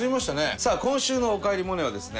さあ今週の「おかえりモネ」はですね